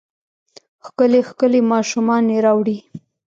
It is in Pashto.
ښکلې ، ښکلې ماشومانې راوړي